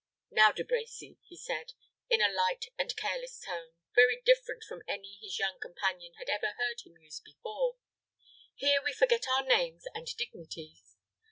"Now, De Brecy," he said, in a light and careless tone, very different from any his young companion had ever heard him use before, "here we forget our names and dignities.